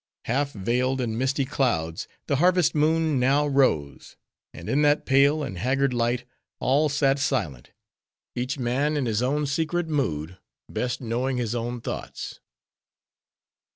Half vailed in misty clouds, the harvest moon now rose; and in that pale and haggard light, all sat silent; each man in his own secret mood: best knowing his own thoughts.